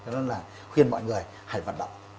nên là khuyên mọi người hãy vận động